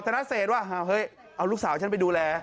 นเศษว่าเฮ้ยเอาลูกสาวฉันไปดูแล